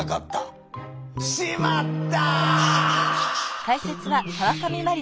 「しまった！」。